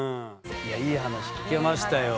いい話聞けましたよ。